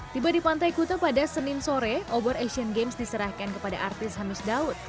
tiba di pantai kuta pada senin sore obor asian games diserahkan kepada artis hanus daud